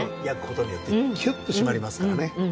焼くことによってキュッとしまりますからね。